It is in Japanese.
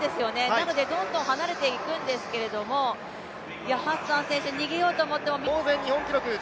なのでどんどん離れていくんですけどもハッサン選手逃げようと思っても。